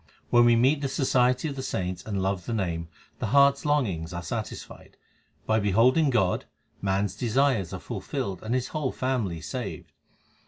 When we meet the society of the saints and love the Name, the heart s longings are satisfied. By beholding God, man s desires are fulfilled and his whole family saved.